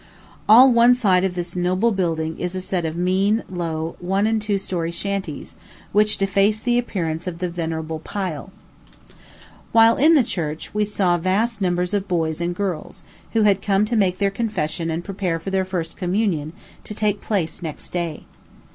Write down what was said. All one side of this noble building is a set of mean, low, one and two story shanties, which deface the appearance of the venerable pile. While in the church, we saw vast numbers of boys and girls, who had come to make their confession and prepare for their first communion, to take place next day.